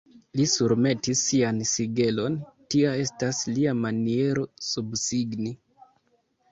Li surmetis sian sigelon: tia estas lia maniero subsigni.